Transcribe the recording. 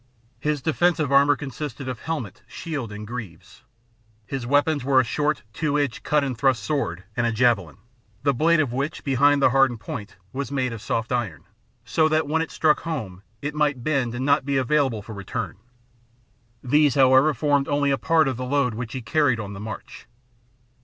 His defensive armour consisted of helmet, shield, and greaves : his weapons were a short, two edged, cut and thrust sword and a javelin, the blade of which, behind the hardened point, was made of soft iron, so that, when it struck home, it might bend and not be available for return. These, however, formed only a part of the load which he carried on the march.